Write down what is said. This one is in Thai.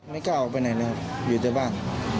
ไม่กล้าออกไปไหนเลยอยู่ตรงบ้าน